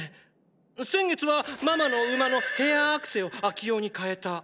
先月はママの馬のヘアアクセを秋用に変えた！